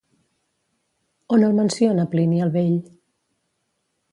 On el menciona Plini el Vell?